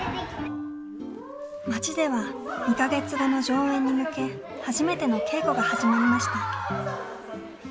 町では２か月後の上演に向け初めての稽古が始まりました。